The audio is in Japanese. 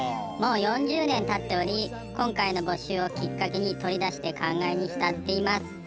もう４０年経っており今回の募集をきっかけに取り出して感慨に浸っています。